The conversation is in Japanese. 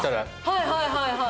はいはいはいはい。